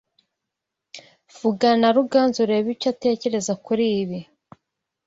Vugana na Ruganzu urebe icyo atekereza kuri ibi.